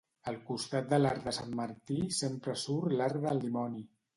Al costat de l'arc de Sant Martí, sempre surt l'arc del dimoni.